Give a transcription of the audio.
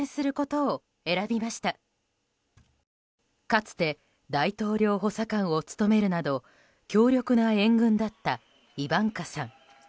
かつて大統領補佐官を務めるなど強力な援軍だったイバンカさん。